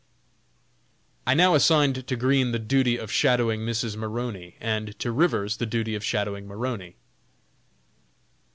I now assigned to Green the duty of shadowing Mrs. Maroney, and to Rivers the duty of shadowing Maroney.